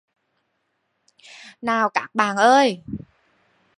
Nào các bạn ơi